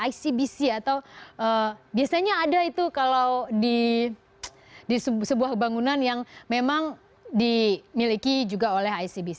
icbc atau biasanya ada itu kalau di sebuah bangunan yang memang dimiliki juga oleh icbc